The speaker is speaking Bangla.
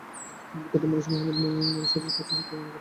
তিনি বিখ্যাত মনীষী মহাম্মদ মনসুরীর কাছে শিক্ষা গ্রহণ করেন।